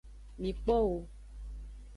Mi kpo wo.